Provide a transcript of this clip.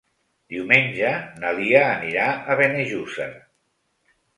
Diumenge na Lia anirà a Benejússer.